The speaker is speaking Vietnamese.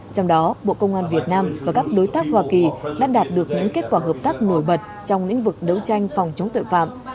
trong đó bộ công an việt nam và các đối tác hoa kỳ đã đạt được những kết quả hợp tác nổi bật trong lĩnh vực đấu tranh phòng chống tội phạm